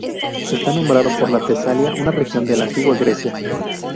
Está nombrado por la Tesalia, una región de la antigua Grecia.